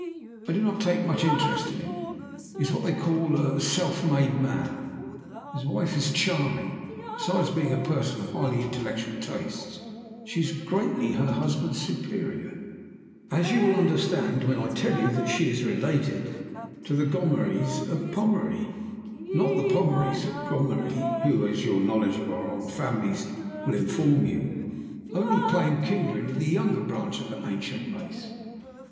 I do not take much interest in him; he is what they call a 'self made man.' His wife is charming. Besides being a person of highly intellectual tastes, she is greatly her husband's superior as you will understand when I tell you that she is related to the Gommerys of Pommery; not the Pommerys of Gommery, who (as your knowledge of our old families will inform you) only claim kindred with the younger branch of that ancient race.